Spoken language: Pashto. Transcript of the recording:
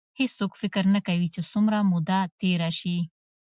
هېڅوک فکر نه کوي چې څومره موده تېره شي.